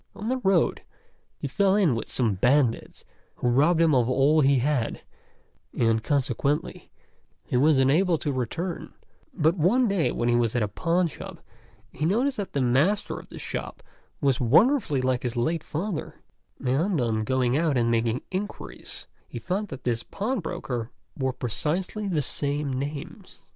On the road he fell in with some bandits, who robbed him of all he had, and consequently he was unable to return; but one day when he was at a pawnshop he noticed that the master of the shop was wonderfully like his late father, and on going out and making inquiries he found that this pawnbroker bore precisely the same names.